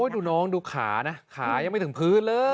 ดูน้องดูขานะขายังไม่ถึงพื้นเลย